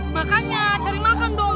makanya cari makan dong